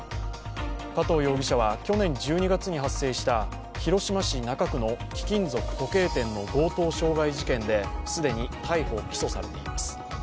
加藤容疑者は、去年１２月に発生した広島市中区の貴金属・時計店の強盗傷害事件で既に逮捕・起訴されています。